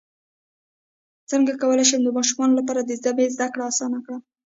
څنګه کولی شم د ماشومانو لپاره د ژبې زدکړه اسانه کړم